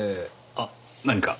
あっ何か？